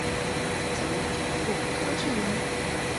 曾祖父柯志仁。